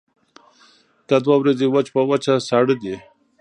دا دوه ورځې وچ په وچه ساړه دي.